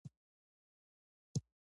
پايله